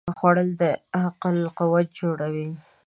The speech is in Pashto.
خوړل د عقل قوت جوړوي